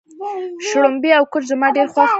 شړومبی او کوچ زما ډېر خوښ دي.